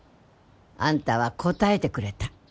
「あんたは応えてくれた！」